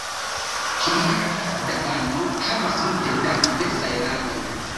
Ĥamar-Dabano havas multe da diversaj lagoj.